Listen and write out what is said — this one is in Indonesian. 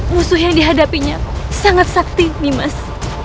musuh yang dihadapinya sangat sakti nimas